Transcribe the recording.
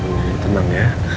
kamu tenang ya